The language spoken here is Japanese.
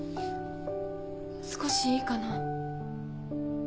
少しいいかな？